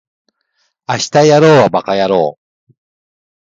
明日やろうはバカやろう